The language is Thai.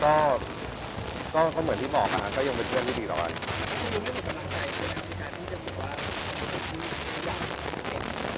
คือเราคุยกันเหมือนเดิมตลอดเวลาอยู่แล้วไม่ได้มีอะไรสูงแรง